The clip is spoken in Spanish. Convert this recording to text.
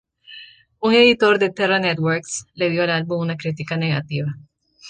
Un editor de Terra Networks le dio al álbum una crítica negativa.